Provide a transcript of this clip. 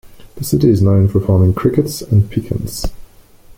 The city is known for farming crickets and pecans.